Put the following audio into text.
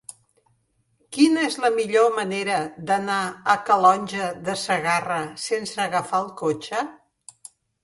Quina és la millor manera d'anar a Calonge de Segarra sense agafar el cotxe?